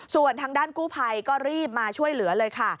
ส่วนทางด้านกู้ภัยก็รีบมาช่วยเหลือเลยค่ะ